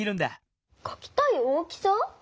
かきたい大きさ？